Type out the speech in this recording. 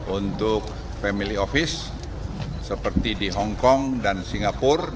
untuk family office seperti di hongkong dan singapura